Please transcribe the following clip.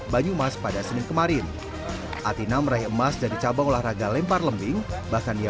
banyumas pada senin kemarin atina meraih emas dari cabang olahraga lempar lembing bahkan ia